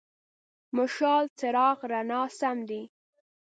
مشال: څراغ، رڼا سم دی.